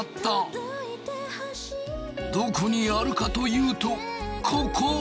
どこにあるかというとここ！